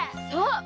そう！